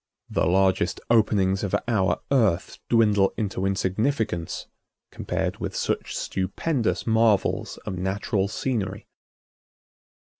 The largest openings of our Earth dwindle into insignificance compared with such stupendous marvels of natural scenery.